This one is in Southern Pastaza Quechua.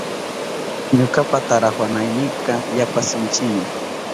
Ñukapa tarawanaynika yapa sinchimi.